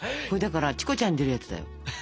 これだからチコちゃんに出るやつだよ。